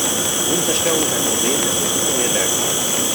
Bodenzerstörung ist ein Problem, das nicht ignoriert werden kann.